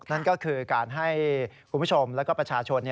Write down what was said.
นั่นก็คือการให้คุณผู้ชมและประชาชน